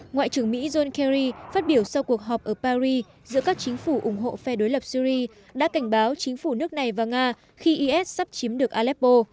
ngoại trưởng mỹ john kerry phát biểu sau cuộc họp ở paris giữa các chính phủ ủng hộ phe đối lập syri đã cảnh báo chính phủ nước này và nga khi is sắp chiếm được aleppo